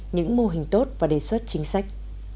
những mô hình tốt và đề xuất chính sách